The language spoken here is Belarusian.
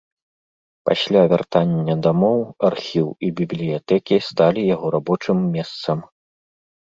Пасля вяртання дамоў архіў і бібліятэкі сталі яго рабочым месцам.